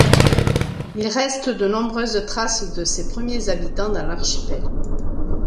Il reste de nombreuses traces de ces premiers habitants dans l'archipel.